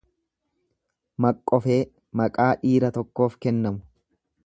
Maqqofee maqaa dhiira tokkoof kennamu